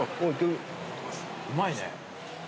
うまいね。